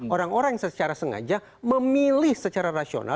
orang orang yang secara sengaja memilih secara rasional